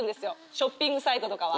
ショッピングサイトとかは。